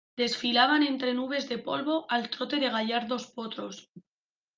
desfilaban entre nubes de polvo, al trote de gallardos potros